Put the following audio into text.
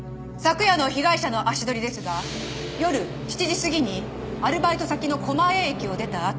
昨夜の被害者の足取りですが夜７時過ぎにアルバイト先の狛江駅を出た